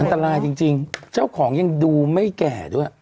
อันตรายจริงเจ้าของยังดูไม่แก่ด้วย